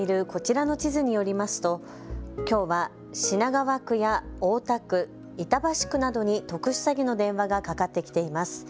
警視庁が公開しているこちらの地図によりますときょうは品川区や大田区、板橋区などに特殊詐欺の電話がかかってきています。